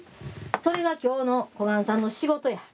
それが今日の小雁さんの仕事や。